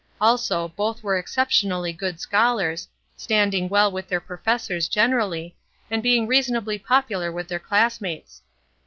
Also, both were exceptionally good scholars, standing well with their professors generally, and being reasonably popular with their class mates.